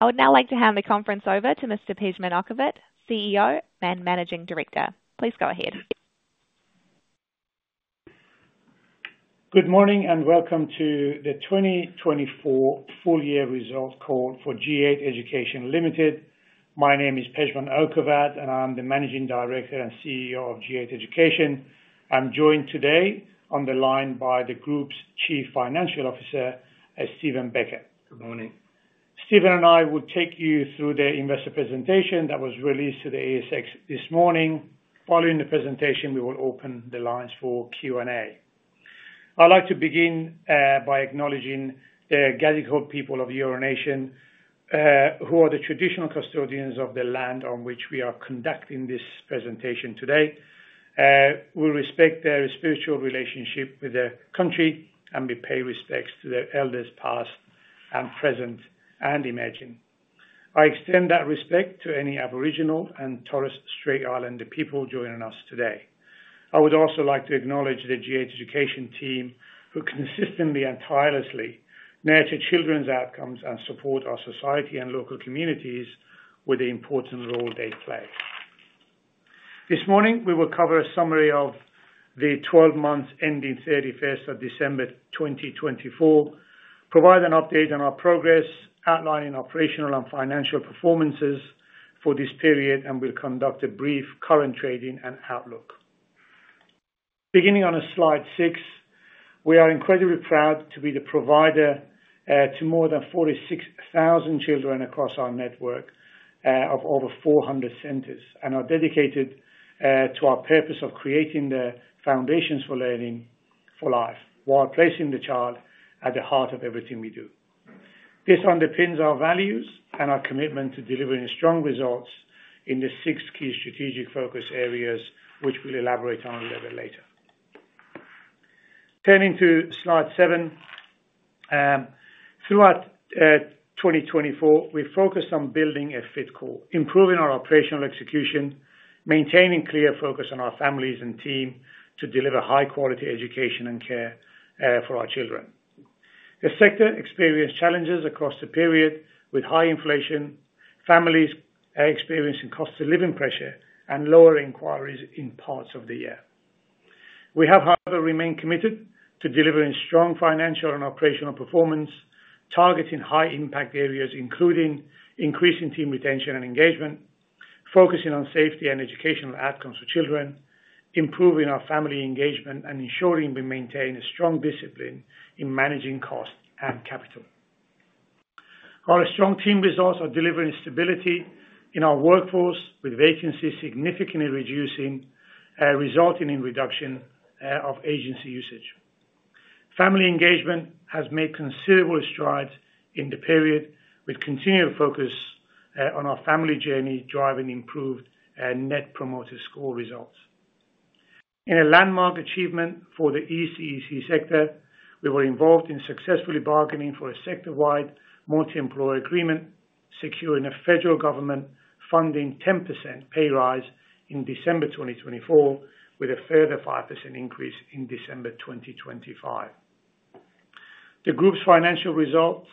I would now like to hand the conference over to Mr. Pejman Okhovat, CEO and Managing Director. Please go ahead. Good morning and welcome to the 2024 full-year results call for G8 Education Limited. My name is Pejman Okhovat, and I'm the Managing Director and CEO of G8 Education. I'm joined today on the line by the Group's Chief Financial Officer, Steven Becker. Good morning. Steven and I will take you through the investor presentation that was released to the ASX this morning. Following the presentation, we will open the lines for Q&A. I'd like to begin by acknowledging the Gadigal people of Eora Nation, who are the traditional custodians of the land on which we are conducting this presentation today. We respect their spiritual relationship with the country and we pay respects to their elders past and present and emerging. I extend that respect to any Aboriginal and Torres Strait Islander people joining us today. I would also like to acknowledge the G8 Education team, who consistently and tirelessly nurture children's outcomes and support our society and local communities with the important role they play. This morning, we will cover a summary of the 12 months ending 31st of December 2024, provide an update on our progress, outlining operational and financial performances for this period, and we'll conduct a brief current trading and outlook. Beginning on slide six, we are incredibly proud to be the provider to more than 46,000 children across our network of over 400 centres and are dedicated to our purpose of creating the foundations for learning for life while placing the child at the heart of everything we do. This underpins our values and our commitment to delivering strong results in the six key strategic focus areas, which we'll elaborate on a little bit later. Turning to slide seven, throughout 2024, we focused on building a fit culture, improving our operational execution, maintaining clear focus on our families and team to deliver high-quality education and care for our children. The sector experienced challenges across the period with high inflation, families experiencing cost of living pressure, and lower inquiries in parts of the year. We have, however, remained committed to delivering strong financial and operational performance, targeting high-impact areas, including increasing team retention and engagement, focusing on safety and educational outcomes for children, improving our family engagement, and ensuring we maintain a strong discipline in managing cost and capital. Our strong team results are delivering stability in our workforce, with vacancies significantly reducing, resulting in a reduction of agency usage. Family engagement has made considerable strides in the period, with continued focus on our family journey, driving improved Net Promoter Score results. In a landmark achievement for the ECEC sector, we were involved in successfully bargaining for a sector-wide Multi-Employer Agreement, securing a federal government funding 10% pay rise in December 2024, with a further 5% increase in December 2025. The Group's financial results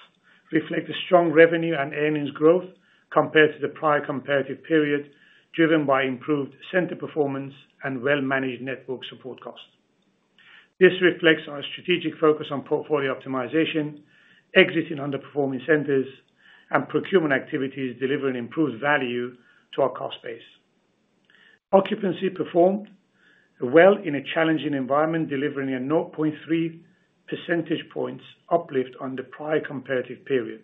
reflect a strong revenue and earnings growth compared to the prior comparative period, driven by improved centre performance and well-managed network support costs. This reflects our strategic focus on portfolio optimization, exiting underperforming centres, and procurement activities, delivering improved value to our cost base. Occupancy performed well in a challenging environment, delivering a 0.3 percentage points uplift on the prior comparative period.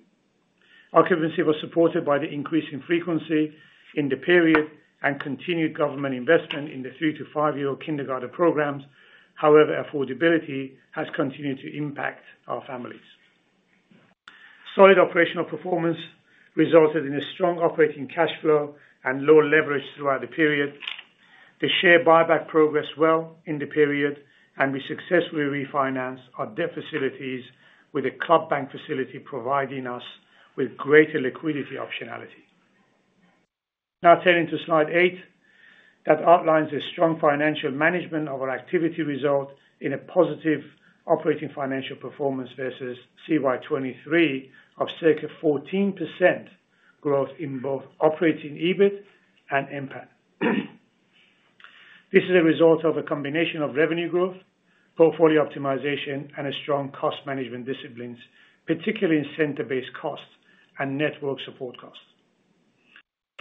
Occupancy was supported by the increasing frequency in the period and continued government investment in the three- to five-year-old kindergarten programs. However, affordability has continued to impact our families. Solid operational performance resulted in a strong operating cash flow and low leverage throughout the period. The share buyback progressed well in the period, and we successfully refinanced our debt facilities, with a club bank facility providing us with greater liquidity optionality. Now, turning to slide eight that outlines a strong financial management of our activity result in a positive operating financial performance versus CY23 of circa 14% growth in both operating EBIT and NPAT. This is a result of a combination of revenue growth, portfolio optimization, and a strong cost management discipline, particularly in centre-based costs and network support costs.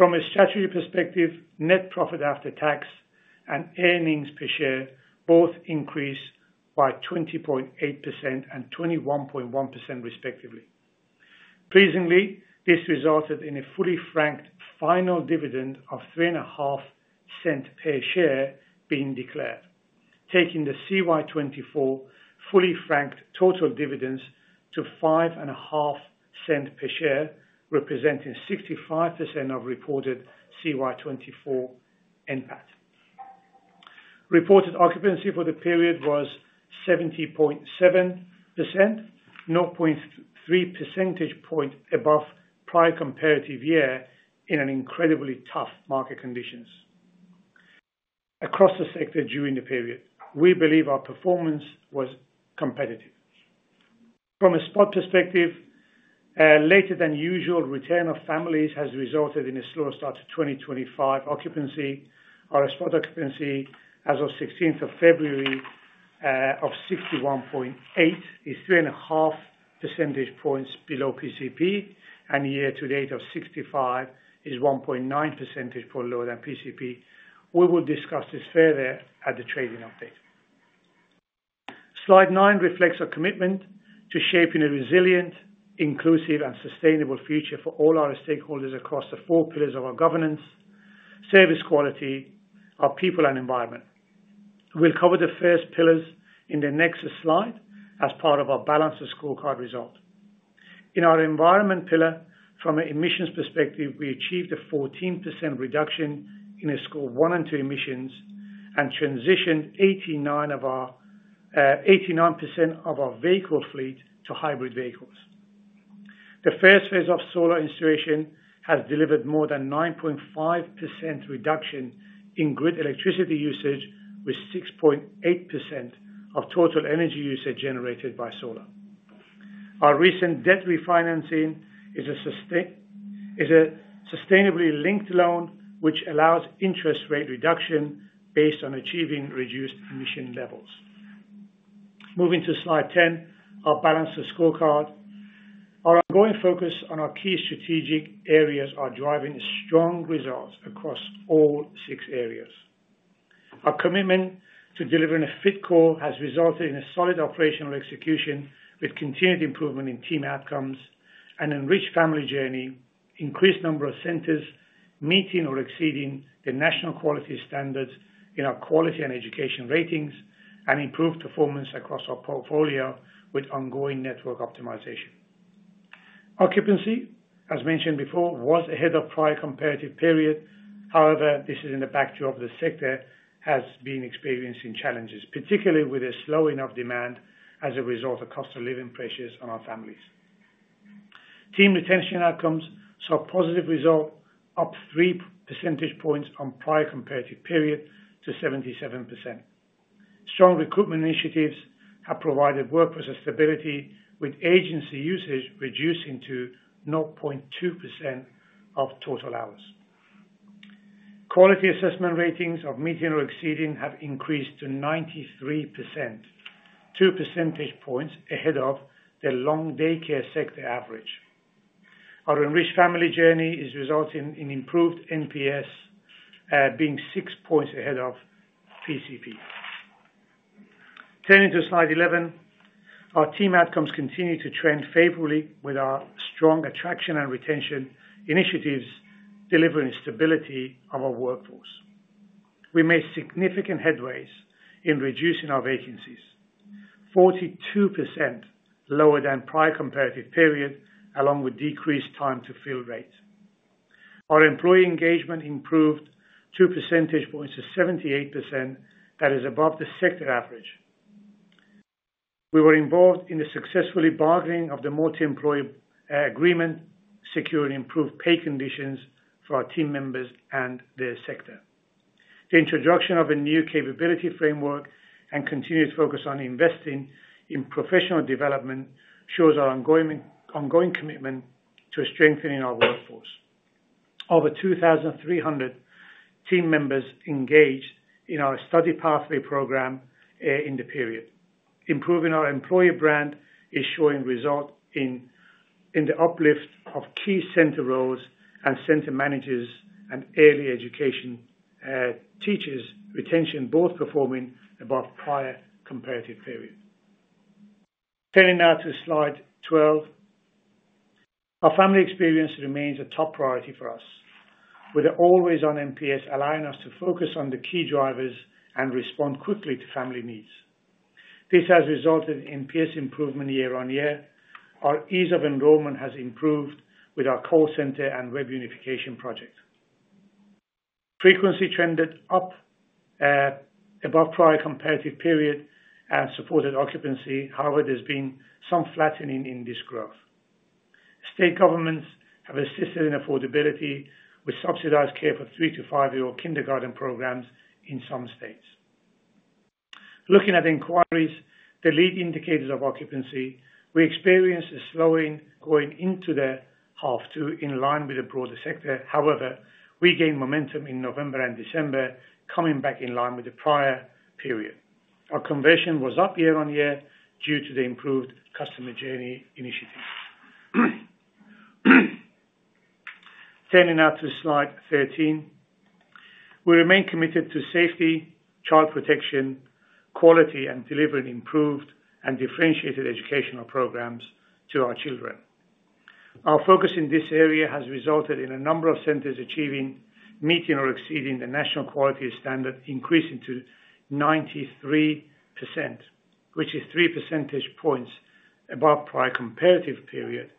From a strategy perspective, net profit after tax and earnings per share both increased by 20.8% and 21.1%, respectively. Pleasingly, this resulted in a fully franked final dividend of 0.035 per share being declared, taking the CY24 fully franked total dividends to 0.055 per share, representing 65% of reported CY24 NPAT. Reported occupancy for the period was 70.7%, 0.3 percentage points above prior comparative year in incredibly tough market conditions. Across the sector during the period, we believe our performance was competitive. From a spot perspective, a later-than-usual return of families has resulted in a slower start to 2025 occupancy. Our spot occupancy as of 16th of February of 61.8% is 3.5 percentage points below PCP, and year-to-date of 65% is 1.9 percentage points lower than PCP. We will discuss this further at the trading update. Slide nine reflects our commitment to shaping a resilient, inclusive, and sustainable future for all our stakeholders across the four pillars of our governance, service quality, our people, and environment. We'll cover the first pillars in the next slide as part of our balanced scorecard result. In our environment pillar, from an emissions perspective, we achieved a 14% reduction in Scope 1 and 2 emissions and transitioned 89% of our vehicle fleet to hybrid vehicles. The first phase of solar installation has delivered more than 9.5% reduction in grid electricity usage, with 6.8% of total energy usage generated by solar. Our recent debt refinancing is a sustainability-linked loan, which allows interest rate reduction based on achieving reduced emission levels. Moving to slide 10, our balanced scorecard, our ongoing focus on our key strategic areas are driving strong results across all six areas. Our commitment to delivering a Fit Core has resulted in a solid operational execution, with continued improvement in team outcomes, an enriched family journey, an increased number of centres, meeting or exceeding the National Quality Standard in our quality and education ratings, and improved performance across our portfolio with ongoing network optimization. Occupancy, as mentioned before, was ahead of prior comparative period. However, this is in the backdrop of the sector has been experiencing challenges, particularly with a slowing of demand as a result of cost of living pressures on our families. Team retention outcomes saw a positive result, up 3 percentage points on prior comparative period to 77%. Strong recruitment initiatives have provided workforce stability, with agency usage reducing to 0.2% of total hours. Quality assessment ratings of meeting or exceeding have increased to 93%, 2 percentage points ahead of the long daycare sector average. Our enriched family journey is resulting in improved NPS, being six points ahead of PCP. Turning to slide 11, our team outcomes continue to trend favorably with our strong attraction and retention initiatives, delivering stability of our workforce. We made significant headway in reducing our vacancies, 42% lower than prior comparative period, along with decreased time to fill rates. Our employee engagement improved 2 percentage points to 78%. That is above the sector average. We were involved in the successful bargaining of the Multi-Employer Agreement, securing improved pay conditions for our team members and their sector. The introduction of a new capability framework and continued focus on investing in professional development shows our ongoing commitment to strengthening our workforce. Over 2,300 team members engaged in our study pathway program in the period. Improving our employee brand is showing results in the uplift of key centre roles and centre managers and early education teachers' retention, both performing above prior comparative period. Turning now to slide 12, our family experience remains a top priority for us, with the always-on NPS allowing us to focus on the key drivers and respond quickly to family needs. This has resulted in NPS improvement year-on-year. Our ease of enrollment has improved with our call centre and web unification project. Frequency trended up above prior comparative period and supported occupancy. However, there's been some flattening in this growth. State governments have assisted in affordability with subsidized care for three to five-year-old kindergarten programs in some states. Looking at inquiries, the lead indicators of occupancy, we experienced a slowing going into the half two in line with the broader sector. However, we gained momentum in November and December, coming back in line with the prior period. Our conversion was up year on year due to the improved customer journey initiative. Turning now to slide 13, we remain committed to safety, child protection, quality, and delivering improved and differentiated educational programs to our children. Our focus in this area has resulted in a number of centres achieving meeting or exceeding the National Quality Standard, increasing to 93%, which is 3 percentage points above Prior Comparative Period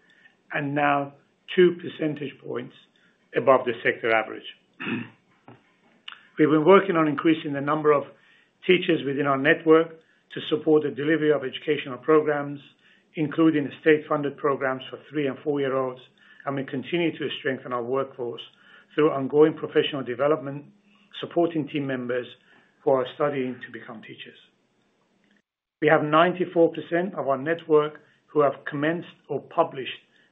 and now 2 percentage points above the sector average. We've been working on increasing the number of teachers within our network to support the delivery of educational programs, including state-funded programs for three and four-year-olds, and we continue to strengthen our workforce through ongoing professional development, supporting team members who are studying to become teachers. We have 94% of our network who have commenced or published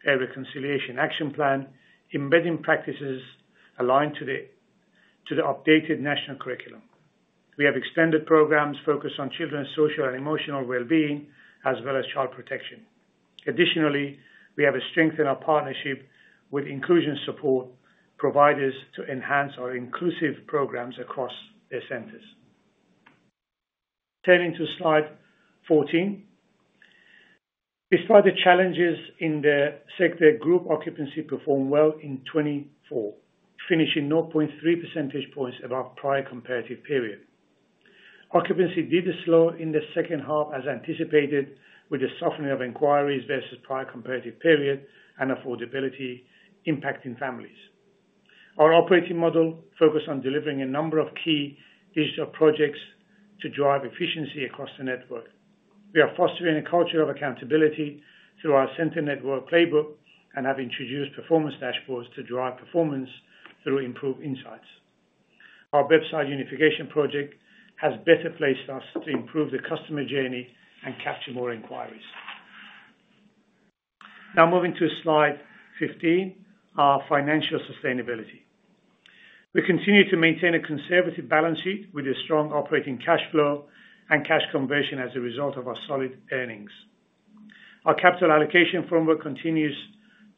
a Reconciliation Action Plan, embedding practices aligned to the updated national curriculum. We have extended programs focused on children's social and emotional well-being, as well as child protection. Additionally, we have strengthened our partnership with inclusion support providers to enhance our inclusive programs across their centres. Turning to slide 14, despite the challenges in the sector, Group Occupancy performed well in 2024, finishing 0.3 percentage points above prior comparative period. Occupancy did slow in the second half, as anticipated, with the softening of inquiries versus prior comparative period and affordability impacting families. Our operating model focused on delivering a number of key digital projects to drive efficiency across the network. We are fostering a culture of accountability through our Centre Network Playbook and have introduced performance dashboards to drive performance through improved insights. Our website unification project has better placed us to improve the customer journey and capture more inquiries. Now, moving to slide 15, our financial sustainability. We continue to maintain a conservative balance sheet with a strong operating cash flow and cash conversion as a result of our solid earnings. Our capital allocation framework continues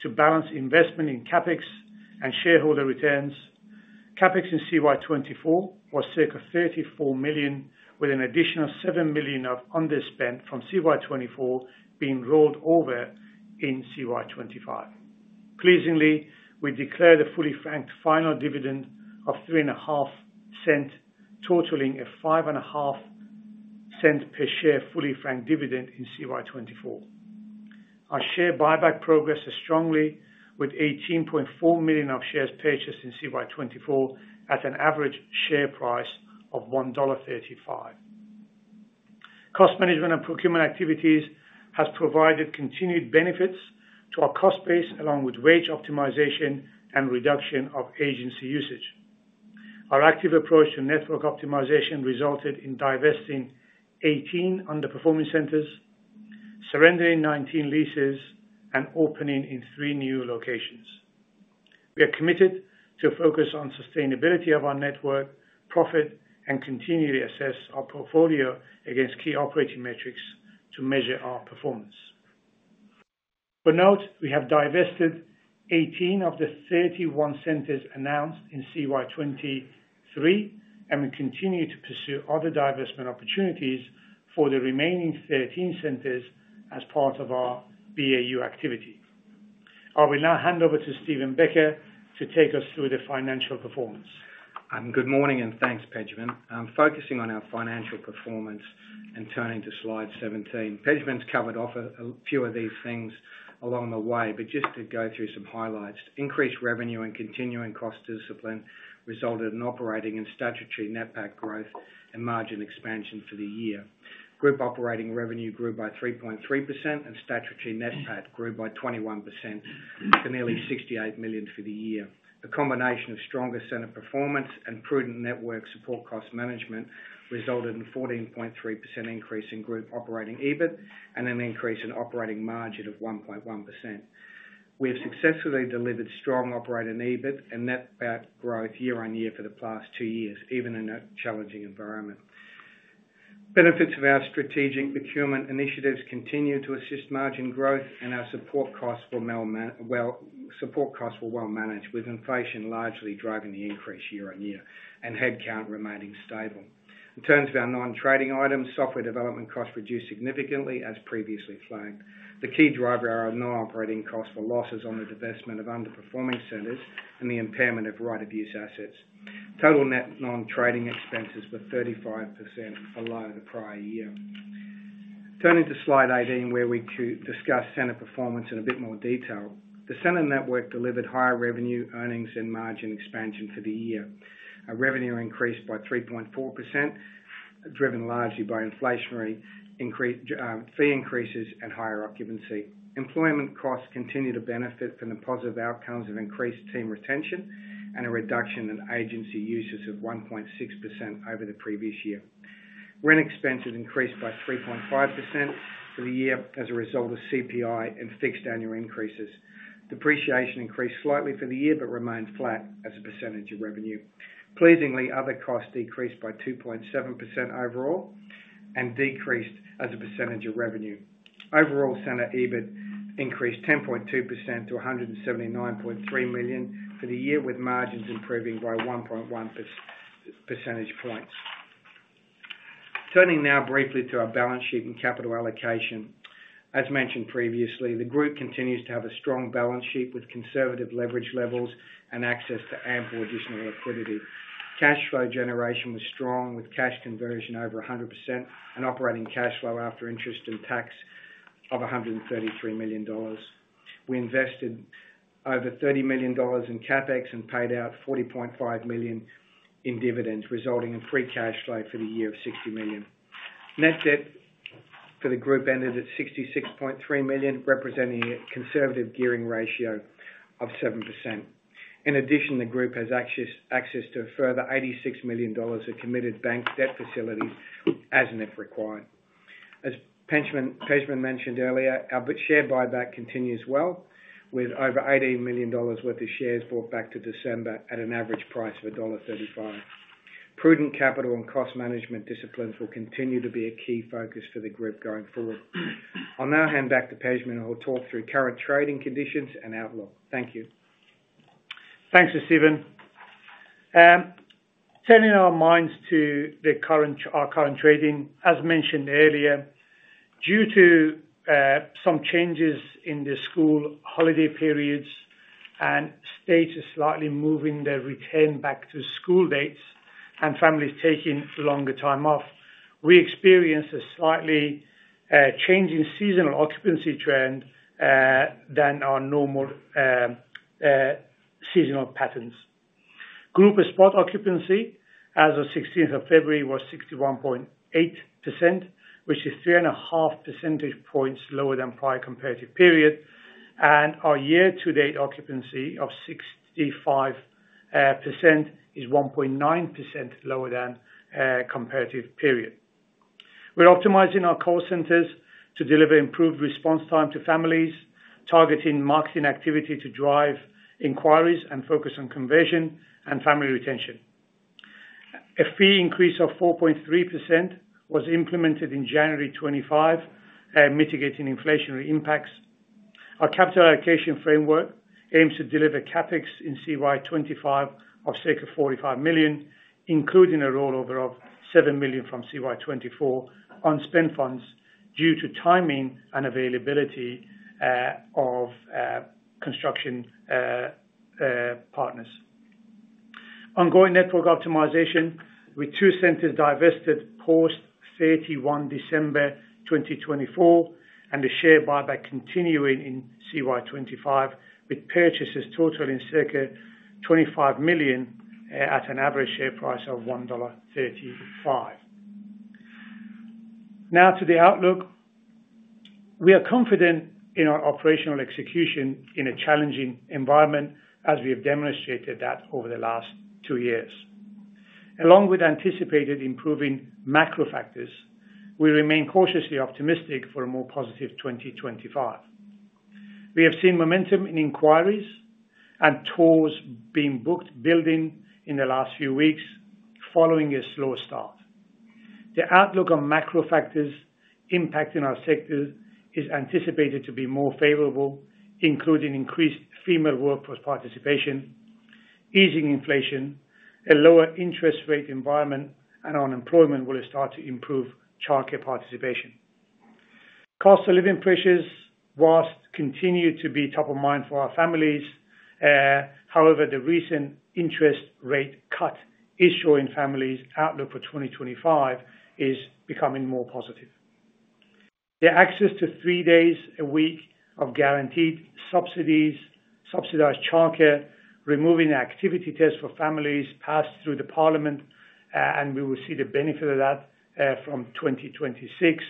to balance investment in CapEx and shareholder returns. CapEx in CY24 was circa 34 million, with an additional 7 million of underspent from CY24 being rolled over in CY25. Pleasingly, we declared a fully franked final dividend of 0.035, totaling a 0.055 per share fully franked dividend in CY24. Our share buyback progressed strongly, with 18.4 million of shares purchased in CY24 at an average share price of 1.35 dollar. Cost management and procurement activities have provided continued benefits to our cost base, along with wage optimization and reduction of agency usage. Our active approach to network optimization resulted in divesting 18 underperforming centres, surrendering 19 leases, and opening in three new locations. We are committed to focus on sustainability of our network, profit, and continually assess our portfolio against key operating metrics to measure our performance. For note, we have divested 18 of the 31 centres announced in CY23, and we continue to pursue other divestment opportunities for the remaining 13 centres as part of our BAU activity. I will now hand over to Steven Becker to take us through the financial performance. Good morning and thanks, Pejman. I'm focusing on our financial performance and turning to slide 17. Pejman's covered off a few of these things along the way, but just to go through some highlights. Increased revenue and continuing cost discipline resulted in operating and statutory NPAT growth and margin expansion for the year. Group operating revenue grew by 3.3%, and statutory NPAT grew by 21% to nearly 68 million for the year. A combination of stronger centre performance and prudent network support cost management resulted in a 14.3% increase in Group operating EBIT and an increase in operating margin of 1.1%. We have successfully delivered strong operating EBIT and NPAT growth year on year for the past two years, even in a challenging environment. Benefits of our strategic procurement initiatives continue to assist margin growth, and our support costs were well managed, with inflation largely driving the increase year on year and headcount remaining stable. In terms of our non-trading items, software development costs reduced significantly, as previously flagged. The key driver are our non-operating costs for losses on the divestment of underperforming centres and the impairment of right-of-use assets. Total net non-trading expenses were 35% below the prior year. Turning to slide 18, where we discuss centre performance in a bit more detail, the centre network delivered higher revenue, earnings, and margin expansion for the year. Our revenue increased by 3.4%, driven largely by inflationary fee increases and higher occupancy. Employment costs continue to benefit from the positive outcomes of increased team retention and a reduction in agency usage of 1.6% over the previous year. Rent expenses increased by 3.5% for the year as a result of CPI and fixed annual increases. Depreciation increased slightly for the year but remained flat as a percentage of revenue. Pleasingly, other costs decreased by 2.7% overall and decreased as a percentage of revenue. Overall, centre EBIT increased 10.2% to 179.3 million for the year, with margins improving by 1.1 percentage points. Turning now briefly to our balance sheet and capital allocation. As mentioned previously, the Group continues to have a strong balance sheet with conservative leverage levels and access to ample additional liquidity. Cash flow generation was strong, with cash conversion over 100% and operating cash flow after interest and tax of 133 million dollars. We invested over 30 million dollars in CapEx and paid out 40.5 million in dividends, resulting in free cash flow for the year of 60 million. Net debt for the Group ended at 66.3 million, representing a conservative gearing ratio of 7%. In addition, the Group has access to a further 86 million dollars of committed bank debt facilities as and if required. As Pejman mentioned earlier, our share buyback continues well, with over 18 million dollars worth of shares bought back to December at an average price of dollar 1.35. Prudent capital and cost management disciplines will continue to be a key focus for the Group going forward. I'll now hand back to Pejman, who will talk through current trading conditions and outlook. Thank you. Thanks to Steven. Turning our minds to our current trading. As mentioned earlier, due to some changes in the school holiday periods and states are slightly moving their return back to school dates and families taking longer time off, we experience a slightly changing seasonal occupancy trend than our normal seasonal patterns. Group spot occupancy, as of 16th of February, was 61.8%, which is 3.5 percentage points lower than prior comparative period. And our year-to-date occupancy of 65% is 1.9% lower than comparative period. We're optimizing our call centres to deliver improved response time to families, targeting marketing activity to drive inquiries and focus on conversion and family retention. A fee increase of 4.3% was implemented in January 2025, mitigating inflationary impacts. Our capital allocation framework aims to deliver CapEx in CY25 of circa 45 million, including a rollover of 7 million from CY24 unspent funds due to timing and availability of construction partners. Ongoing network optimization. We divested two centres post-31 December 2024, and the share buyback continuing in CY25, with purchases totaling circa 25 million at an average share price of 1.35 dollar. Now to the outlook. We are confident in our operational execution in a challenging environment, as we have demonstrated that over the last two years. Along with anticipated improving macro factors, we remain cautiously optimistic for a more positive 2025. We have seen momentum in inquiries and tours being booked building in the last few weeks, following a slow start. The outlook on macro factors impacting our sector is anticipated to be more favorable, including increased female workforce participation, easing inflation, a lower interest rate environment, and unemployment will start to improve childcare participation. Cost of living pressures, while continuing to be top of mind for our families. However, the recent interest rate cut is showing families' outlook for 2025 is becoming more positive. The access to three days a week of guaranteed subsidies, subsidized childcare, removing activity tests for families passed through the Parliament, and we will see the benefit of that from 2026,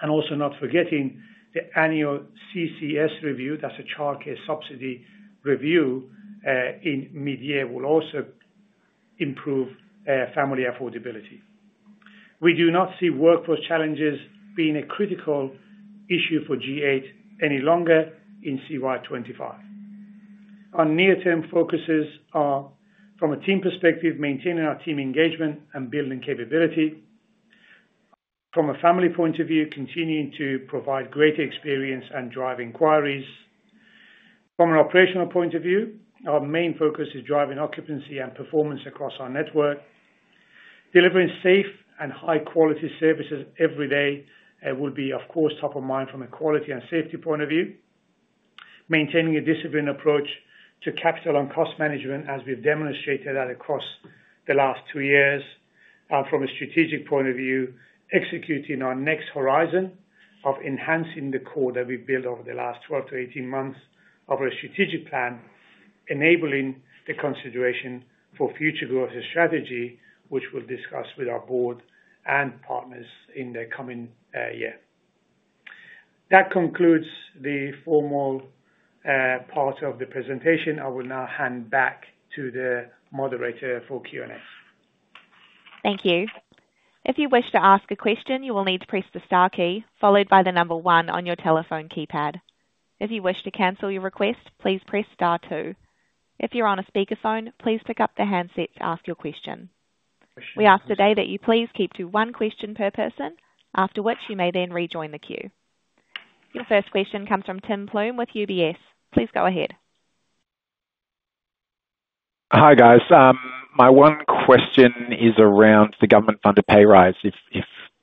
and also not forgetting the annual CCS review, that's a childcare subsidy review in mid-year, will also improve family affordability. We do not see workforce challenges being a critical issue for G8 any longer in CY25. Our near-term focuses are, from a team perspective, maintaining our team engagement and building capability. From a family point of view, continuing to provide greater experience and drive inquiries. From an operational point of view, our main focus is driving occupancy and performance across our network. Delivering safe and high-quality services every day will be, of course, top of mind from a quality and safety point of view. Maintaining a disciplined approach to capital and cost management, as we've demonstrated that across the last two years. From a strategic point of view, executing our next horizon of enhancing the core that we've built over the last 12 to 18 months of our strategic plan, enabling the consideration for future growth strategy, which we'll discuss with our board and partners in the coming year. That concludes the formal part of the presentation. I will now hand back to the moderator for Q&A. Thank you. If you wish to ask a question, you will need to press the star key, followed by the number one on your telephone keypad. If you wish to cancel your request, please press star two. If you're on a speakerphone, please pick up the handset to ask your question. We ask today that you please keep to one question per person, after which you may then rejoin the queue. Your first question comes from Tim Plumbe with UBS. Please go ahead. Hi, guys. My one question is around the government-funded pay raise, if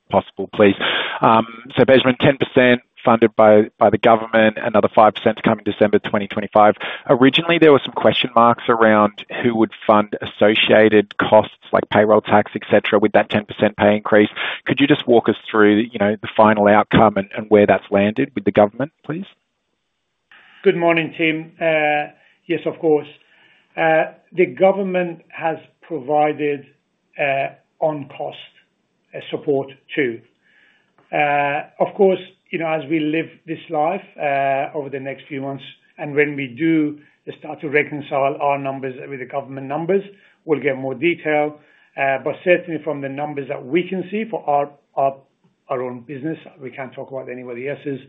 possible, please. So, Pejman, 10% funded by the government, another 5% to come in December 2025. Originally, there were some question marks around who would fund associated costs like payroll tax, etc., with that 10% pay increase. Could you just walk us through the final outcome and where that's landed with the government, please? Good morning, Tim. Yes, of course. The government has provided on-cost support too. Of course, as we live this life over the next few months, and when we do start to reconcile our numbers with the government numbers, we'll get more detail. But certainly, from the numbers that we can see for our own business, we can't talk about anybody else's,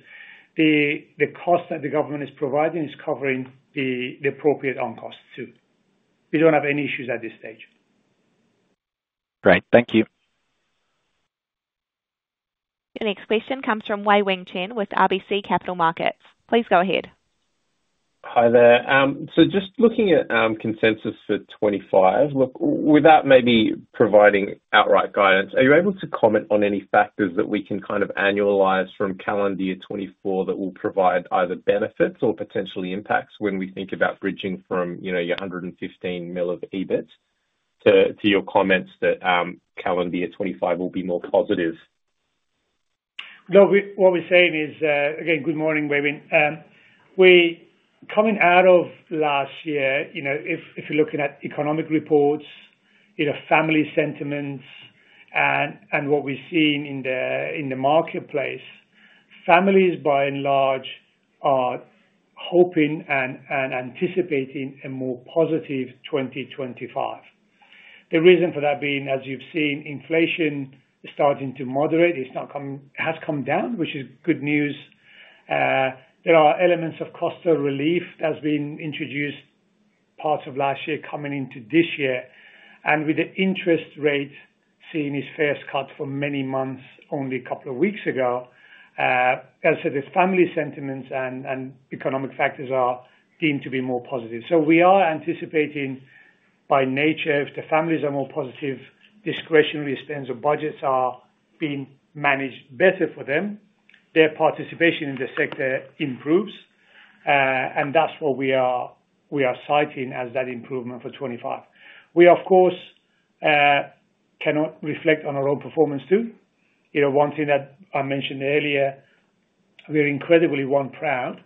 the cost that the government is providing is covering the appropriate on-cost too. We don't have any issues at this stage. Great. Thank you. The next question comes from Wei-Weng Chen with RBC Capital Markets. Please go ahead. Hi there. So just looking at consensus for 2025, without maybe providing outright guidance, are you able to comment on any factors that we can kind of annualize from calendar year 2024 that will provide either benefits or potentially impacts when we think about bridging from your 115 million of EBIT to your comments that calendar year 2025 will be more positive? What we're saying is, again, good morning, Wei-Weng. Coming out of last year, if you're looking at economic reports, family sentiments, and what we've seen in the marketplace, families, by and large, are hoping and anticipating a more positive 2025. The reason for that being, as you've seen, inflation is starting to moderate. It has come down, which is good news. There are elements of cost relief that's been introduced parts of last year coming into this year. And with the interest rate seeing its first cut for many months only a couple of weeks ago, as I said, the family sentiments and economic factors are deemed to be more positive. So we are anticipating, by nature, if the families are more positive, discretionary expenses or budgets are being managed better for them, their participation in the sector improves. And that's what we are citing as that improvement for 2025. We, of course, cannot reflect on our own performance too. One thing that I mentioned earlier, we're incredibly proud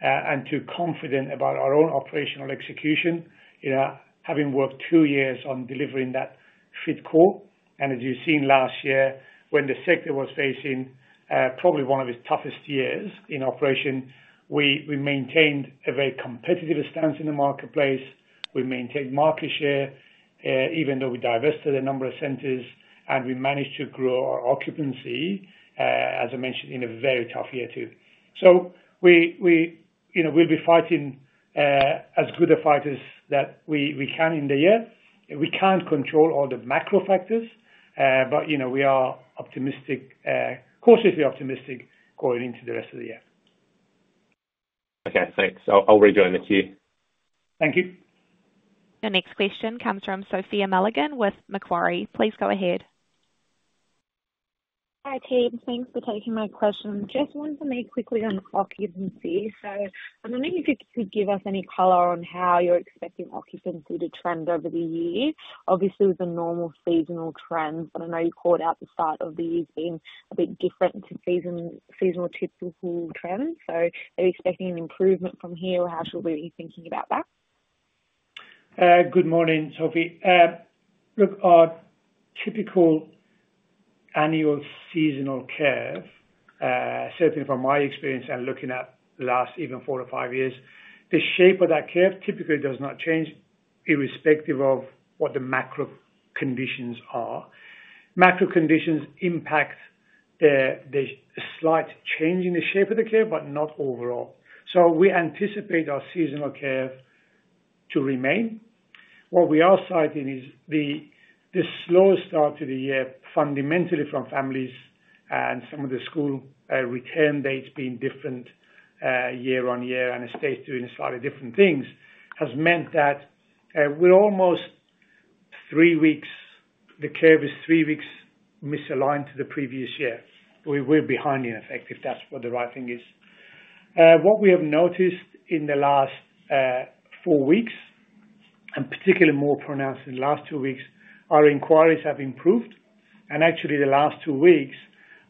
and too confident about our own operational execution, having worked two years on delivering that fit core. And as you've seen last year, when the sector was facing probably one of its toughest years in operation, we maintained a very competitive stance in the marketplace. We maintained market share, even though we divested a number of centres and we managed to grow our occupancy, as I mentioned, in a very tough year too. So we'll be fighting as good a fight as we can in the year. We can't control all the macro factors, but we are optimistic, cautiously optimistic going into the rest of the year. Okay. Thanks. I'll rejoin the queue. Thank you. The next question comes from Sophia Mulligan with Macquarie. Please go ahead. Hi, Pejman. Thanks for taking my question. Just wanted to make quickly on occupancy. So I'm wondering if you could give us any color on how you're expecting occupancy to trend over the year. Obviously, with the normal seasonal trends, but I know you called out the start of the year being a bit different to seasonal typical trends. So are you expecting an improvement from here, or how should we be thinking about that? Good morning, Sophie. Look, our typical annual seasonal curve, certainly from my experience and looking at the last even four to five years, the shape of that curve typically does not change irrespective of what the macro conditions are. Macro conditions impact the slight change in the shape of the curve, but not overall. So we anticipate our seasonal curve to remain. What we are citing is the slow start to the year, fundamentally from families and some of the school return dates being different year on year and states doing slightly different things, has meant that we're almost three weeks the curve is three weeks misaligned to the previous year. We're behind in effect, if that's what the right thing is. What we have noticed in the last four weeks, and particularly more pronounced in the last two weeks, our inquiries have improved, and actually, the last two weeks,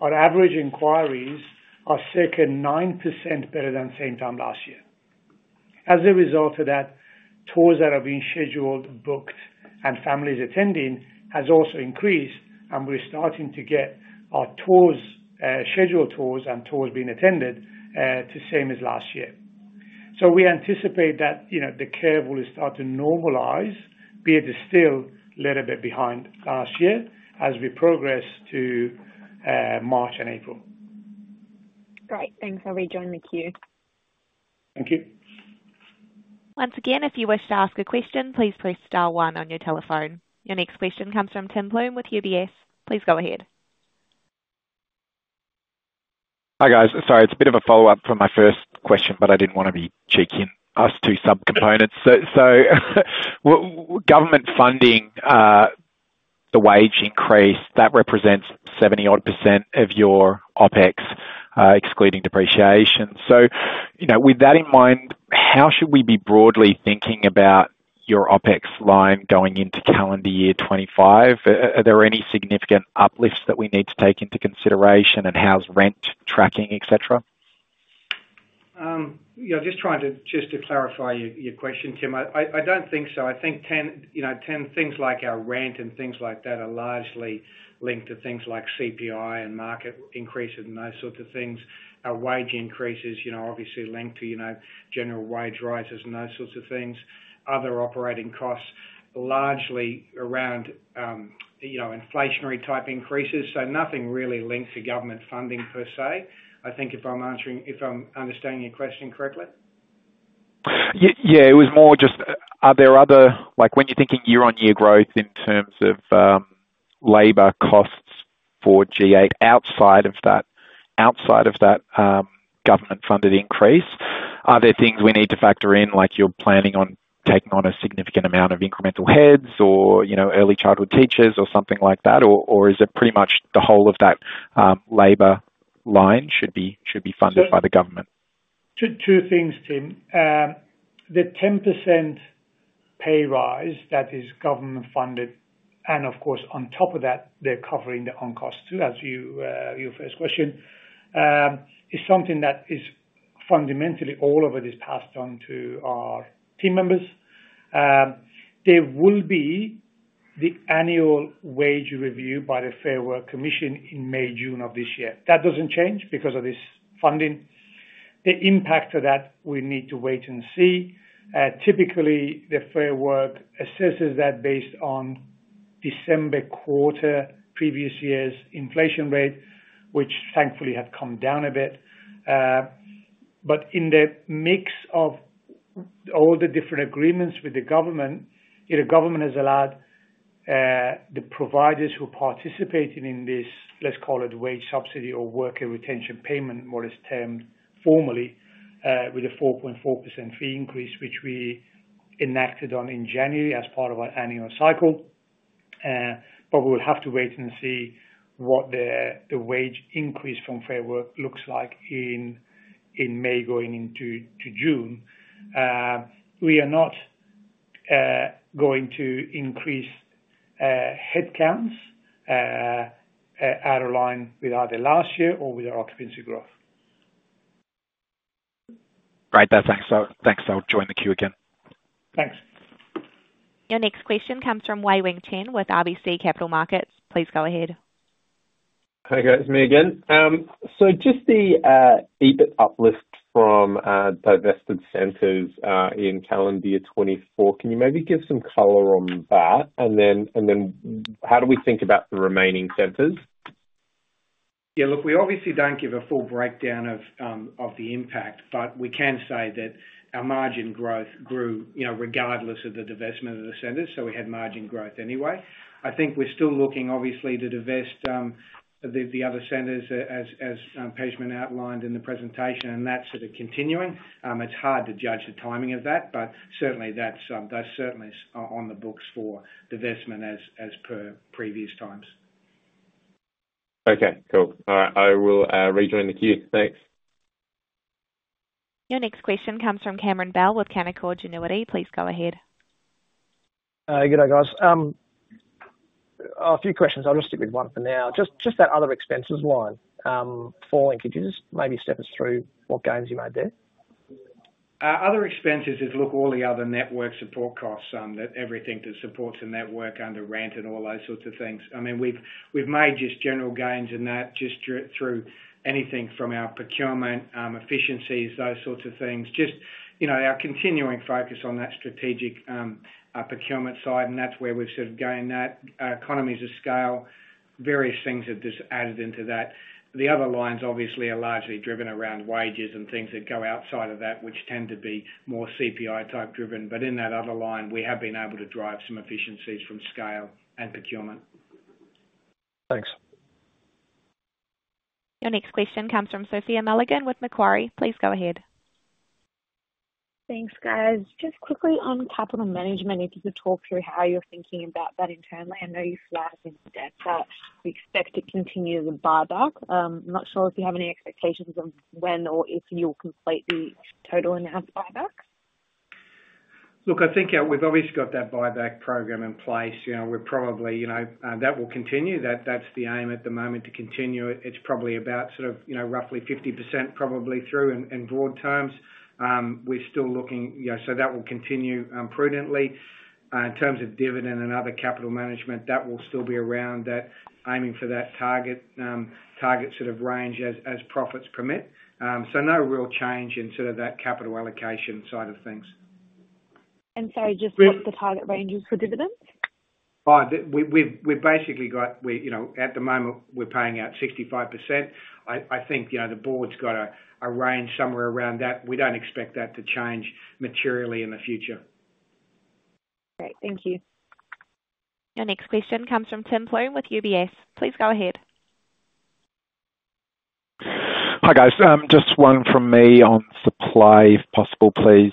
our average inquiries are circa 9% better than same time last year. As a result of that, tours that are being scheduled, booked, and families attending has also increased, and we're starting to get our scheduled tours and tours being attended to same as last year. So we anticipate that the curve will start to normalise, be it still a little bit behind last year as we progress to March and April. Great. Thanks for rejoining the queue. Thank you. Once again, if you wish to ask a question, please press star one on your telephone. Your next question comes from Tim Plumbe with UBS. Please go ahead. Hi guys. Sorry, it's a bit of a follow-up from my first question, but I didn't want to be checking us two subcomponents. So government funding the wage increase, that represents 70-odd% of your OpEx, excluding depreciation. So with that in mind, how should we be broadly thinking about your OpEx line going into calendar year 2025? Are there any significant uplifts that we need to take into consideration, and how's rent tracking, etc.? Just trying to clarify your question, Tim, I don't think so. I think 10 things like our rent and things like that are largely linked to things like CPI and market increases and those sorts of things. Our wage increases are obviously linked to general wage rises and those sorts of things. Other operating costs largely around inflationary type increases. So nothing really linked to government funding per se. I think if I'm understanding your question correctly. Yeah, it was more just are there other when you're thinking year-on-year growth in terms of labor costs for G8 outside of that government-funded increase, are there things we need to factor in, like you're planning on taking on a significant amount of incremental heads or early childhood teachers or something like that, or is it pretty much the whole of that labor line should be funded by the government? Two things, Tim. The 10% pay rise, that is government-funded, and of course, on top of that, they're covering the on-cost too, as your first question, is something that is fundamentally all of it is passed on to our team members. There will be the annual wage review by the Fair Work Commission in May, June of this year. That doesn't change because of this funding. The impact of that, we need to wait and see. Typically, the Fair Work assesses that based on December quarter previous year's inflation rate, which thankfully had come down a bit. But in the mix of all the different agreements with the government, the government has allowed the providers who are participating in this, let's call it wage subsidy or worker retention payment, what is termed formally with a 4.4% fee increase, which we enacted on in January as part of our annual cycle. But we will have to wait and see what the wage increase from Fair Work looks like in May going into June. We are not going to increase head counts out of line with either last year or with our occupancy growth. Right. Thanks. I'll join the queue again. Thanks. Your next question comes from Wei-Weng Chen with RBC Capital Markets. Please go ahead. Hey guys, me again. So just the EBIT uplift from divested centres in calendar year 2024, can you maybe give some color on that? And then how do we think about the remaining centres? Yeah, look, we obviously don't give a full breakdown of the impact, but we can say that our margin growth grew regardless of the divestment of the centres. So we had margin growth anyway. I think we're still looking, obviously, to divest the other centres as Pejman outlined in the presentation, and that's sort of continuing. It's hard to judge the timing of that, but certainly, those certainly are on the books for divestment as per previous times. Okay. Cool. All right. I will rejoin the queue. Thanks. Your next question comes from Cameron Bell with Canaccord Genuity. Please go ahead. Good day, guys. A few questions. I'll just stick with one for now. Just that other expenses line, falling, could you just maybe step us through what gains you made there? Other expenses is, look, all the other network support costs, everything that supports the network under rent and all those sorts of things. I mean, we've made just general gains in that just through anything from our procurement efficiencies, those sorts of things. Just our continuing focus on that strategic procurement side, and that's where we've sort of gained that. Economies of scale, various things that are added into that. The other lines, obviously, are largely driven around wages and things that go outside of that, which tend to be more CPI-type driven. But in that other line, we have been able to drive some efficiencies from scale and procurement. Thanks. Your next question comes from Sophia Mulligan with Macquarie. Please go ahead. Thanks, guys. Just quickly on capital management, if you could talk through how you're thinking about that internally. I know you flagged in that we expect to continue the buyback. I'm not sure if you have any expectations of when or if you'll complete the total announced buyback. Look, I think we've obviously got that buyback program in place. We're probably that will continue. That's the aim at the moment to continue. It's probably about sort of roughly 50% probably through in broad terms. We're still looking so that will continue prudently. In terms of dividend and other capital management, that will still be around that aiming for that target sort of range as profits permit. So no real change in sort of that capital allocation side of things. And sorry, just what's the target range for dividends? We've basically got at the moment, we're paying out 65%. I think the board's got a range somewhere around that. We don't expect that to change materially in the future. Great. Thank you. Your next question comes from Tim Plumbe with UBS. Please go ahead. Hi guys. Just one from me on supply, if possible, please.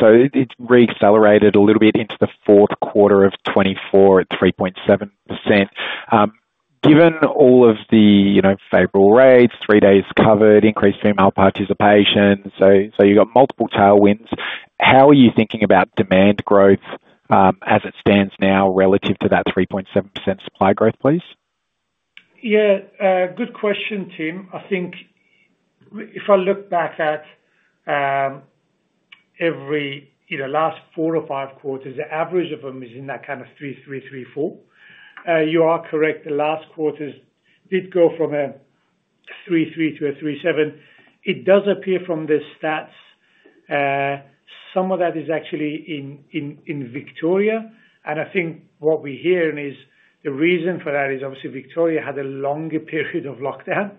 So it's reaccelerated a little bit into the fourth quarter of 2024 at 3.7%. Given all of the favorable rates, three days covered, increased female participation, so you've got multiple tailwinds, how are you thinking about demand growth as it stands now relative to that 3.7% supply growth, please? Yeah. Good question, Tim. I think if I look back at every last four or five quarters, the average of them is in that kind of 3%, 3%, 3%, 4%. You are correct. The last quarters did go from a 3.3% to a 3.7%. It does appear from the stats, some of that is actually in Victoria. And I think what we're hearing is the reason for that is obviously Victoria had a longer period of lockdown.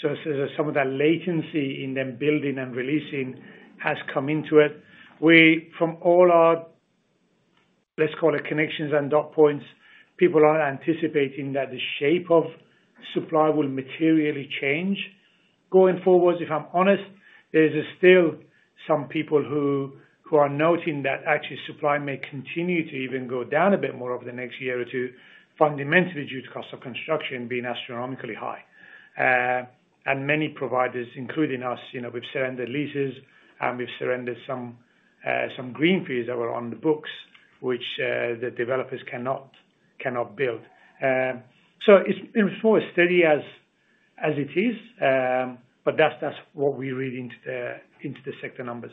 So some of that latency in them building and releasing has come into it. From all our, let's call it, connections and dot points, people are anticipating that the shape of supply will materially change going forward. If I'm honest, there's still some people who are noting that actually supply may continue to even go down a bit more over the next year or two, fundamentally due to cost of construction being astronomically high. And many providers, including us, we've surrendered leases, and we've surrendered some greenfields that were on the books, which the developers cannot build. So it's more steady as it is, but that's what we read into the sector numbers.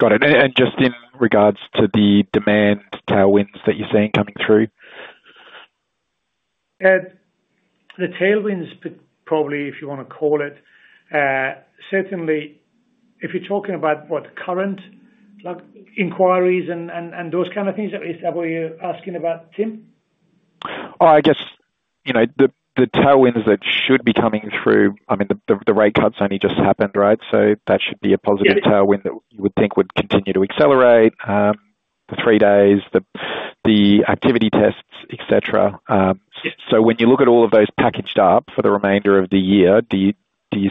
Got it. And just in regards to the demand tailwinds that you're seeing coming through? The tailwinds, probably, if you want to call it, certainly, if you're talking about what, current inquiries and those kind of things, is that what you're asking about, Tim? I guess the tailwinds that should be coming through, I mean, the rate cuts only just happened, right? So that should be a positive tailwind that you would think would continue to accelerate, the three days, the activity tests, etc. So when you look at all of those packaged up for the remainder of the year, do you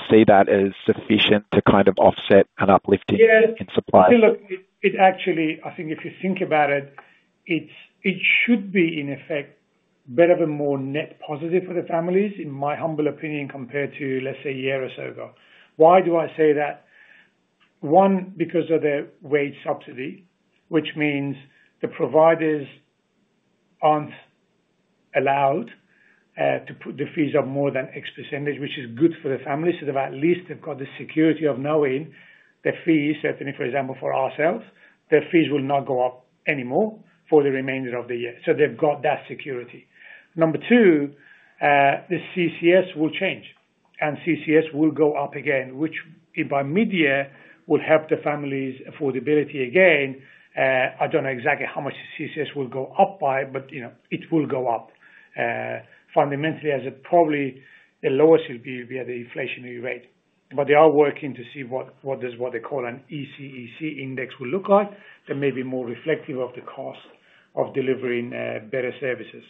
see that as sufficient to kind of offset an uplift in supply? Yeah. Look, it actually, I think if you think about it, it should be in effect better than more net positive for the families, in my humble opinion, compared to, let's say, a year or so ago. Why do I say that? One, because of the wage subsidy, which means the providers aren't allowed to put the fees up more than X%, which is good for the families. So they've at least got the security of knowing their fees, certainly, for example, for ourselves, their fees will not go up anymore for the remainder of the year. So they've got that security. Number two, the CCS will change, and CCS will go up again, which by mid-year will help the family's affordability again. I don't know exactly how much the CCS will go up by, but it will go up. Fundamentally, as it probably the lowest will be the inflationary rate. But they are working to see what they call an ECEC index will look like. That may be more reflective of the cost of delivering better services.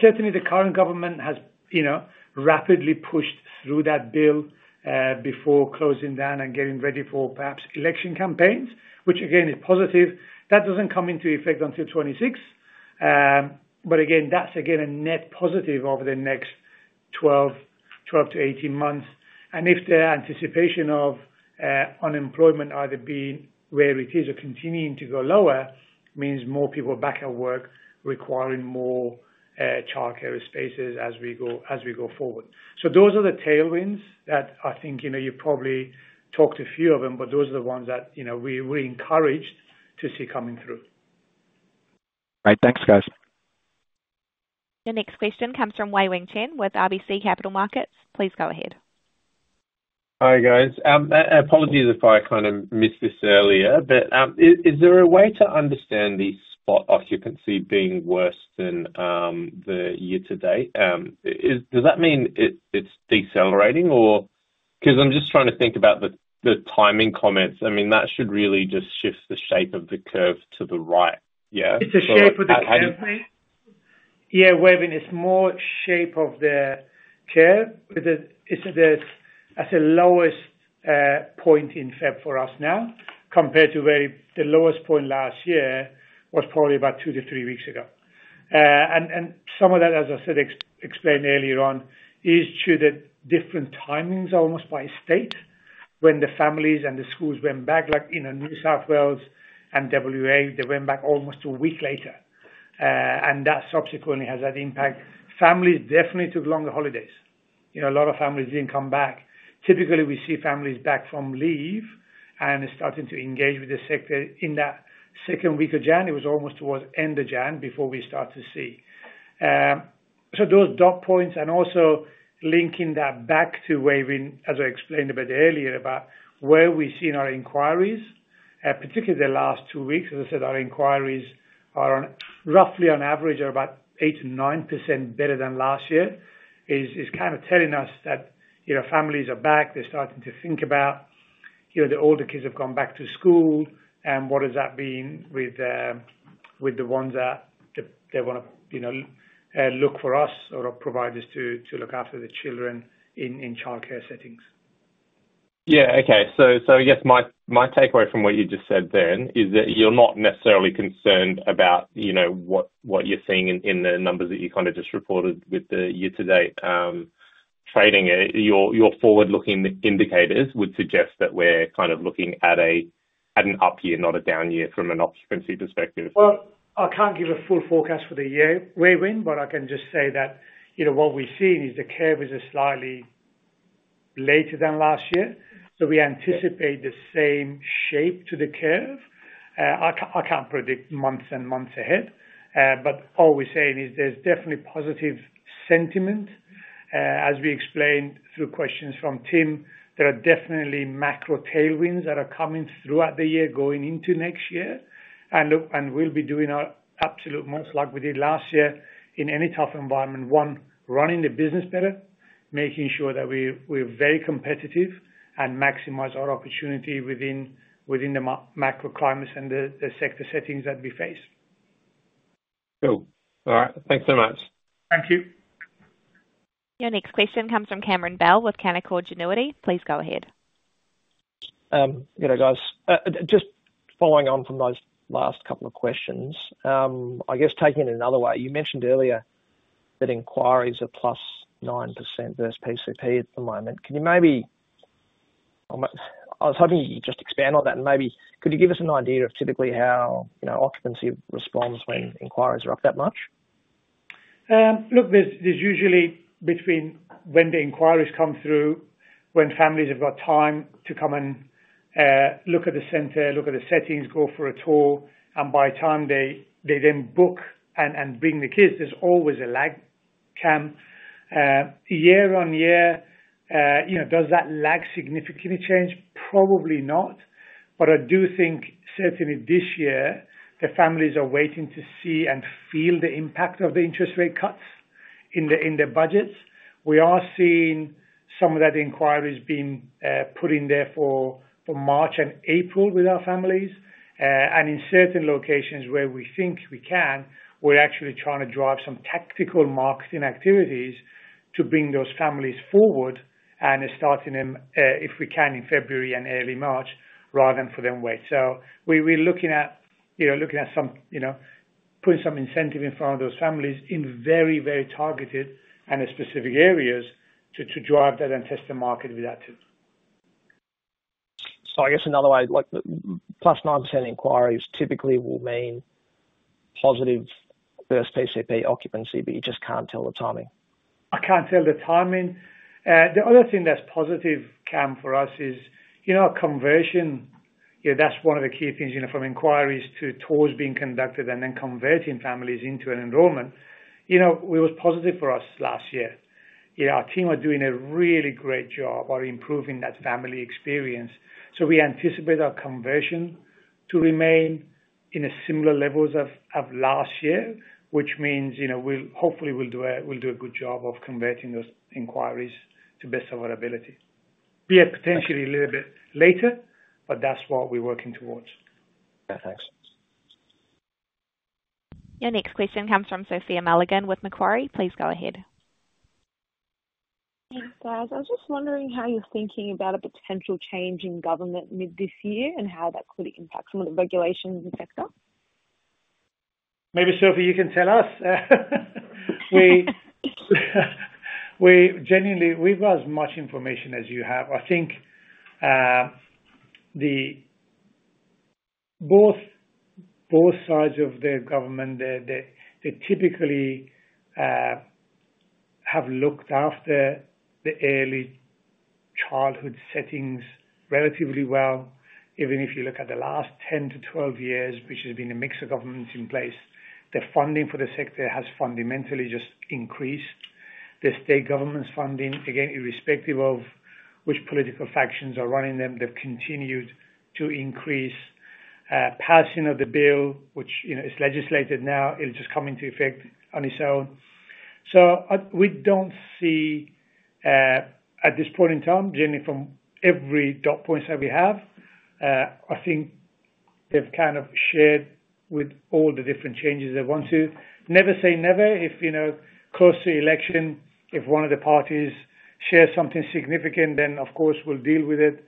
Certainly, the current government has rapidly pushed through that bill before closing down and getting ready for perhaps election campaigns, which again is positive. That doesn't come into effect until 2026. But again, that's again a net positive over the next 12 to 18 months. And if the anticipation of unemployment either being where it is or continuing to go lower means more people back at work requiring more childcare spaces as we go forward. So those are the tailwinds that I think you probably talked a few of them, but those are the ones that we're encouraged to see coming through. Right. Thanks, guys. Your next question comes from Wei-Weng Chen with RBC Capital Markets. Please go ahead. Hi guys. Apologies if I kind of missed this earlier, but is there a way to understand the spot occupancy being worse than the year to date? Does that mean it's decelerating or because I'm just trying to think about the timing comments. I mean, that should really just shift the shape of the curve to the right, yeah? It's the shape of the curve, please. Yeah, Wei-Weng, it's more shape of the curve. It's at the lowest point in February for us now compared to where the lowest point last year was probably about two to three weeks ago. And some of that, as I said, explained earlier on, is due to the different timings almost by state when the families and the schools went back. Like in New South Wales and WA, they went back almost a week later. And that subsequently has that impact. Families definitely took longer holidays. A lot of families didn't come back. Typically, we see families back from leave and starting to engage with the sector in that second week of January. It was almost towards end of January before we start to see. So those dot points and also linking that back to Wei-Weng, as I explained a bit earlier, about where we see in our inquiries, particularly the last two weeks, as I said, our inquiries are roughly on average about 8%-9% better than last year, is kind of telling us that families are back. They're starting to think about the older kids have gone back to school. And what has that been with the ones that they want to look for us or providers to look after the children in childcare settings? Yeah. Okay. So I guess my takeaway from what you just said then is that you're not necessarily concerned about what you're seeing in the numbers that you kind of just reported with the year-to-date trading. Your forward-looking indicators would suggest that we're kind of looking at an up year, not a down year from an occupancy perspective. Well, I can't give a full forecast for the year, Wei-Weng, but I can just say that what we've seen is the curve is slightly later than last year. So we anticipate the same shape to the curve. I can't predict months and months ahead. But all we're saying is there's definitely positive sentiment. As we explained through questions from Tim, there are definitely macro tailwinds that are coming throughout the year going into next year. And look, we'll be doing our absolute most like we did last year in any tough environment, one, running the business better, making sure that we're very competitive and maximize our opportunity within the macro climates and the sector settings that we face. Cool. All right. Thanks so much. Thank you. Your next question comes from Cameron Bell with Canaccord Genuity. Please go ahead. Yeah, guys. Just following on from those last couple of questions, I guess taking it another way, you mentioned earlier that inquiries are +9% versus PCP at the moment. Can you maybe I was hoping you could just expand on that and maybe could you give us an idea of typically how occupancy responds when inquiries are up that much? Look, there's usually between when the inquiries come through, when families have got time to come and look at the centre, look at the settings, go for a tour, and by the time they then book and bring the kids, there's always a lag. Cam, year on year, does that lag significantly change? Probably not. But I do think certainly this year, the families are waiting to see and feel the impact of the interest rate cuts in their budgets. We are seeing some of that inquiries being put in there for March and April with our families. And in certain locations where we think we can, we're actually trying to drive some tactical marketing activities to bring those families forward and starting them, if we can, in February and early March rather than for them wait. So we're looking at putting some incentive in front of those families in very, very targeted and specific areas to drive that and test the market with that too. So I guess another way, plus 9% inquiries typically will mean positive versus PCP occupancy, but you just can't tell the timing. I can't tell the timing. The other thing that's positive, Cameron, for us is conversion. That's one of the key things from inquiries to tours being conducted and then converting families into an enrollment. It was positive for us last year. Our team are doing a really great job of improving that family experience. So we anticipate our conversion to remain in similar levels of last year, which means hopefully we'll do a good job of converting those inquiries to best of our ability. Be it potentially a little bit later, but that's what we're working towards. Yeah, thanks. Your next question comes from Sophia Mulligan with Macquarie. Please go ahead. Thanks, guys. I was just wondering how you're thinking about a potential change in government mid this year and how that could impact some of the regulations in the sector. Maybe Sophia, you can tell us. We've got as much information as you have. I think both sides of the government, they typically have looked after the early childhood settings relatively well. Even if you look at the last 10 to 12 years, which has been a mix of governments in place, the funding for the sector has fundamentally just increased. The state government's funding, again, irrespective of which political factions are running them, they've continued to increase. Passing of the bill, which is legislated now, it'll just come into effect on its own. So we don't see at this point in time, generally from every dot points that we have, I think they've kind of shared with all the different changes they want to. Never say never. If close to election, if one of the parties shares something significant, then of course we'll deal with it.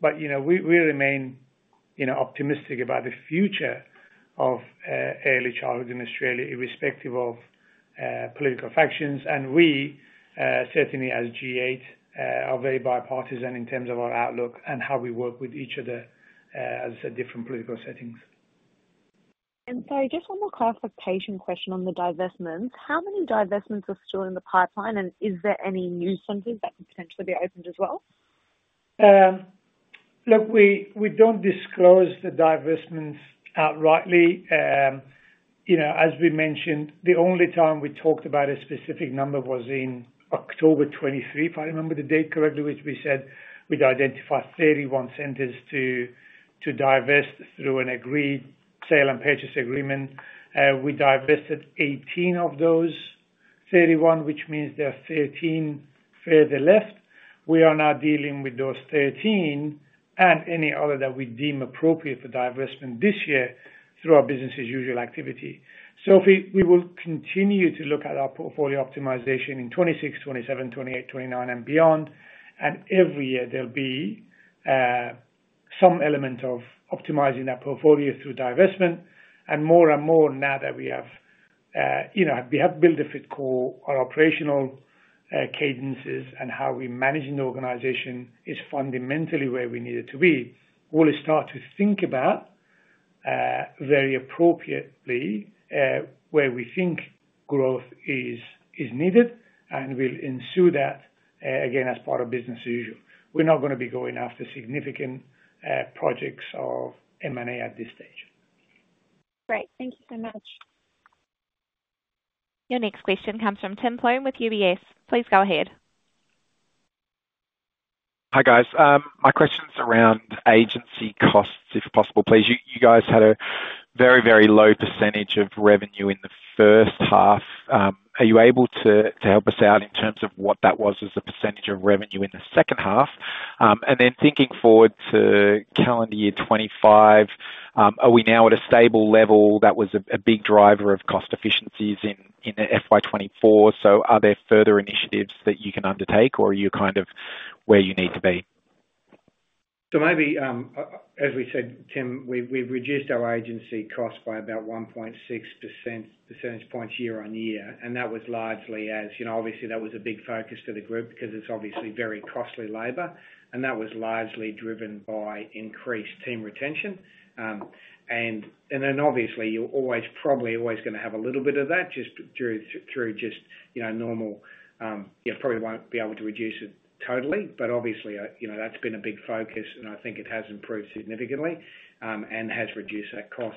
But we remain optimistic about the future of early childhood in Australia, irrespective of political factions. We certainly, as G8, are very bipartisan in terms of our outlook and how we work with each other, as I said, different political settings. Sorry, just one more clarification question on the divestments. How many divestments are still in the pipeline, and is there any new centres that could potentially be opened as well? Look, we don't disclose the divestments outrightly. As we mentioned, the only time we talked about a specific number was in October 2023, if I remember the date correctly, which we said we'd identify 31 centres to divest through an agreed sale and purchase agreement. We divested 18 of those 31, which means there are 13 further left. We are now dealing with those 13 and any other that we deem appropriate for divestment this year through our business as usual activity. Sophia, we will continue to look at our portfolio optimization in 2026, 2027, 2028, 2029, and beyond, and every year there'll be some element of optimizing that portfolio through divestment, and more and more now that we have built a fit culture, our operational cadences and how we manage in the organization is fundamentally where we need it to be. We'll start to think about very appropriately where we think growth is needed and we'll ensure that again as part of business as usual. We're not going to be going after significant projects of M&A at this stage. Great. Thank you so much. Your next question comes from Tim Plumbe with UBS. Please go ahead. Hi guys. My question's around agency costs, if possible, please. You guys had a very, very low % of revenue in the first half. Are you able to help us out in terms of what that was as a percentage of revenue in the second half? And then thinking forward to calendar year 2025, are we now at a stable level? That was a big driver of cost efficiencies in the FY24. So are there further initiatives that you can undertake, or are you kind of where you need to be? Maybe, as we said, Tim, we've reduced our agency cost by about 1.6 percentage points year on year. And that was largely as obviously that was a big focus to the group because it's obviously very costly labor. And that was largely driven by increased team retention. And then obviously you're always probably going to have a little bit of that just through just normal. You probably won't be able to reduce it totally, but obviously that's been a big focus, and I think it has improved significantly and has reduced that cost.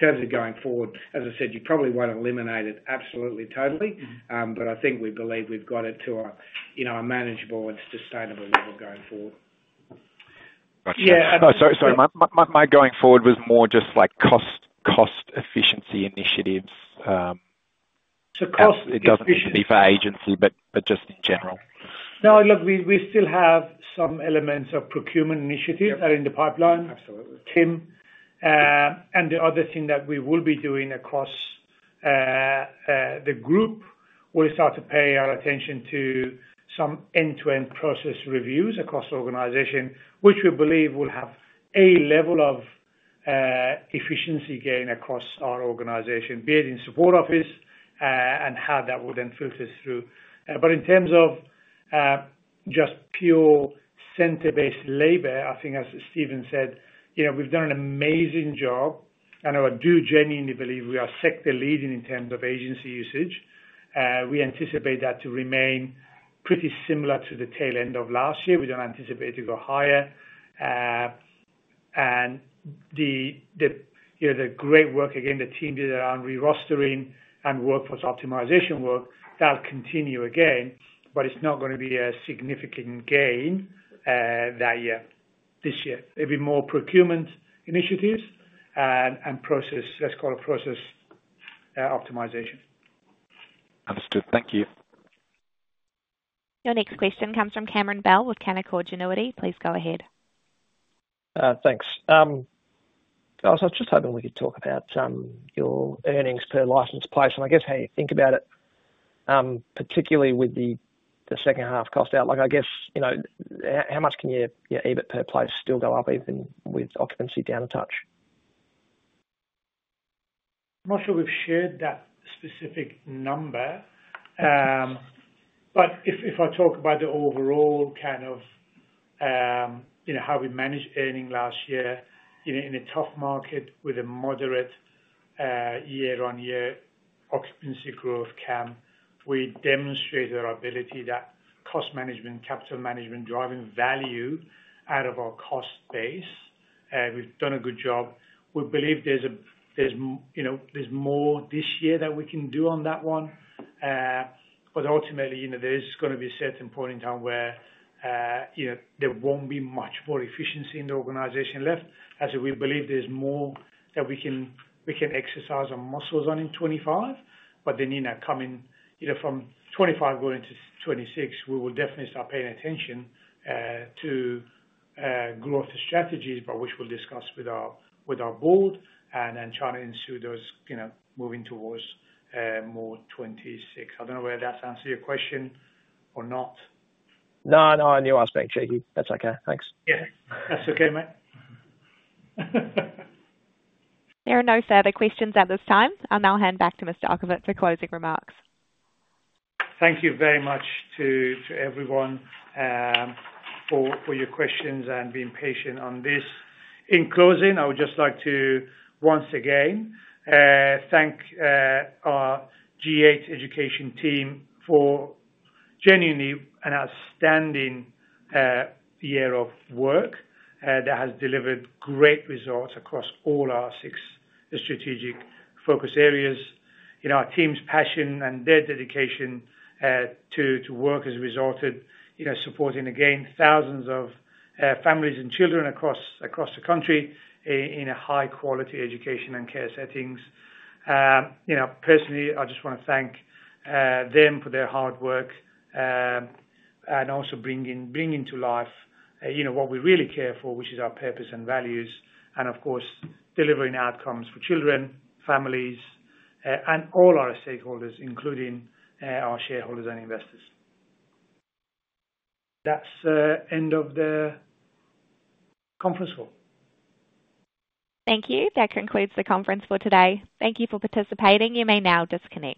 In terms of going forward, as I said, you probably won't eliminate it absolutely totally, but I think we believe we've got it to a manageable and sustainable level going forward. Gotcha. Sorry, sorry. My going forward was more just like cost efficiency initiatives. So cost efficiency for agency, but just in general. No, look, we still have some elements of procurement initiatives that are in the pipeline. Absolutely. Tim. And the other thing that we will be doing across the group, we'll start to pay our attention to some end-to-end process reviews across the organization, which we believe will have a level of efficiency gain across our organization, be it in Support Office and how that would then filter through. But in terms of just pure centre-based labor, I think as Steven said, we've done an amazing job, and I do genuinely believe we are sector leading in terms of agency usage. We anticipate that to remain pretty similar to the tail end of last year. We don't anticipate it to go higher. And the great work, again, the team did around re-rostering and workforce optimization work, that'll continue again, but it's not going to be a significant gain that year, this year. It'll be more procurement initiatives and process, let's call it process optimization. Understood. Thank you. Your next question comes from Cameron Bell with Canaccord Genuity. Please go ahead. Thanks. Guys, I was just hoping we could talk about your earnings per licensed place. And I guess how you think about it, particularly with the second half cost outlook. I guess how much can your EBIT per place still go up even with occupancy down a touch? I'm not sure we've shared that specific number, but if I talk about the overall kind of how we managed earnings last year in a tough market with a moderate year-on-year occupancy growth, Cam, we demonstrated our ability that cost management, capital management, driving value out of our cost base. We've done a good job. We believe there's more this year that we can do on that one. But ultimately, there is going to be a certain point in time where there won't be much more efficiency in the organization left. As we believe there's more that we can exercise our muscles on in 2025, but then coming from 2025 going into 2026, we will definitely start paying attention to growth strategies, but which we'll discuss with our board and then try to ensure those moving towards more 2026. I don't know whether that answers your question or not. No, no, I knew I was going to cheat you. That's okay. Thanks. Yeah, that's okay, mate. There are no further questions at this time. I'll now hand back to Mr. Okhovat for closing remarks. Thank you very much to everyone for your questions and being patient on this. In closing, I would just like to once again thank our G8 Education team for genuinely an outstanding year of work that has delivered great results across all our six strategic focus areas. Our team's passion and their dedication to work has resulted in supporting, again, thousands of families and children across the country in a high-quality education and care settings. Personally, I just want to thank them for their hard work and also bringing to life what we really care for, which is our purpose and values, and of course, delivering outcomes for children, families, and all our stakeholders, including our shareholders and investors. That's the end of the conference call. Thank you. That concludes the conference call today. Thank you for participating. You may now disconnect.